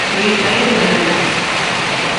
We'll try the verandah.